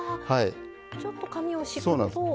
ちょっと紙を敷くと。